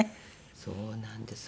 そうなんです。